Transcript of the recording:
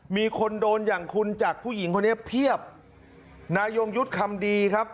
มีคนโดนอย่างคุณจากผู้หญิงคนนี้เพียบนายงยุทธ์คำดีครับ